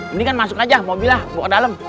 mendingan masuk aja mobil lah bawa ke dalem